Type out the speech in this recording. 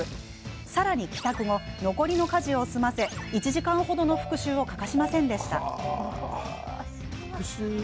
さらに帰宅後残りの家事を済ませ１時間程の復習を欠かしませんでした。